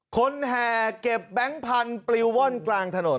แห่เก็บแบงค์พันธุ์ปลิวว่อนกลางถนน